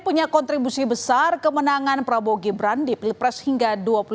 punya kontribusi besar kemenangan prabowo gibrant di pilpres hingga dua puluh lima